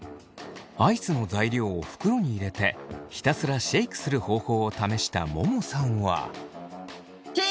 アイスの材料を袋に入れてひたすらシェイクする方法を試したももさんは。